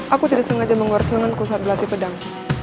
aku tidak sengaja mengorselenganku saat berlatih pedang